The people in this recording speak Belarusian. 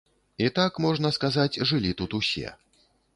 І так, можна сказаць, жылі тут усе.